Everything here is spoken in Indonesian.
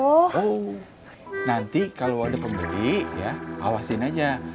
oh nanti kalau ada pembeli ya awasin aja